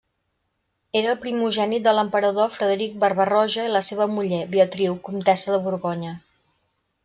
Era el primogènit de l'emperador Frederic Barba-roja i la seva muller Beatriu, comtessa de Borgonya.